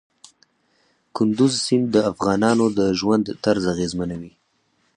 کندز سیند د افغانانو د ژوند طرز اغېزمنوي.